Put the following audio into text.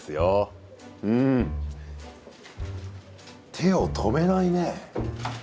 手を止めないね。